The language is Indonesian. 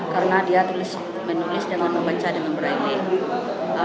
karena dia menulis dengan membaca dengan braile